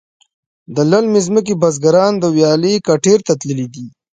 د للمې ځمکې بزگران د ویالې کټیر ته تللي دي.